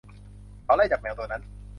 เขาไล่จับแมวตัวนั้น